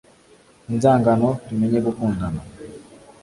inzangano, tumenye gukundana